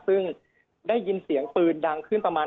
ตอนนี้ยังไม่ได้นะครับ